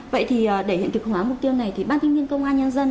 vậy thì để hiện thực hóa mục tiêu này thì ban thiết kế công an nhân dân